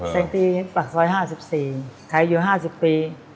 แต่งปีปากซอย๕๔ขายอยู่๕๐ปี